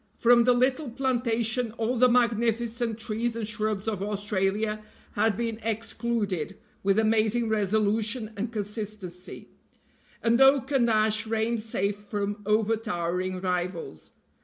From the little plantation all the magnificent trees and shrubs of Australia had been excluded with amazing resolution and consistency, and oak and ash reigned safe from overtowering rivals.